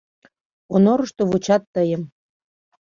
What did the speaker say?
— Онорышто вучат тыйым.